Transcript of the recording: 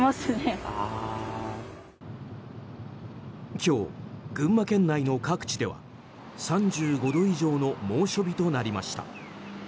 今日、群馬県内の各地では３５度以上の猛暑日となりました。